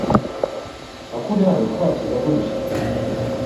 Акуляры ў хаце забыўся!